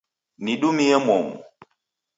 Nidumie momu.